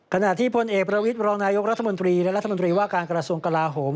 ขณะที่พลเอกประวิทย์รองนายกรัฐมนตรีและรัฐมนตรีว่าการกระทรวงกลาโหม